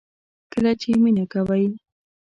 کله چې مینه کوئ